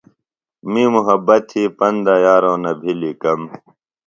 می محبت تھی پندہ یارو نہ بھلی کم۔